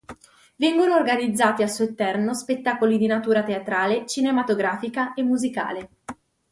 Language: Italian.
Vengono organizzati al suo interno spettacoli di natura teatrale, cinematografica e musicale.